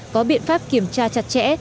có biện pháp kiểm tra chặt chẽ